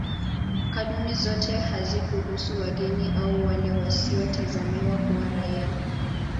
Kanuni zote hazikuhusu wageni au wale wasiotazamiwa kuwa raia.